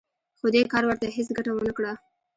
خو دې کار ورته هېڅ ګټه ونه کړه